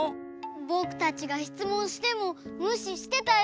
ぼくたちがしつもんしてもむししてたよ。